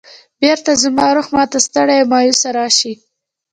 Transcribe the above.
بېرته زما روح ما ته ستړی او مایوسه راشي.